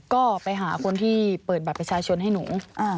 ก็ไปหาคนที่เปิดบัตรประชาชนให้หนู